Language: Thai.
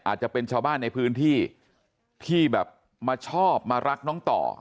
อาจจะเป็นชาวบ้านในพื้นที่ที่แบบมาชอบมารักน้องต่อ